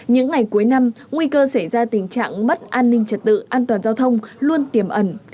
những ngày cuối năm nguy cơ xảy ra tình trạng mất an ninh trật tự an toàn giao thông luôn tiềm ẩn